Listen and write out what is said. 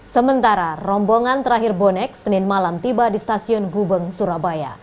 sementara rombongan terakhir bonek senin malam tiba di stasiun gubeng surabaya